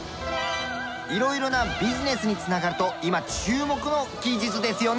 色々なビジネスに繋がると今注目の技術ですよね！